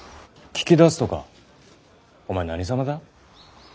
聞き出すとかお前何様だ？